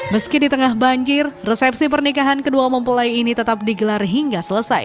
meski di tengah banjir resepsi pernikahan kedua mempelai ini tetap digelar hingga selesai